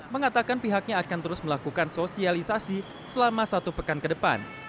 mengatakan pihaknya akan terus melakukan sosialisasi selama satu pekan ke depan